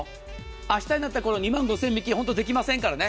明日になったら２万５０００円引きできませんからね。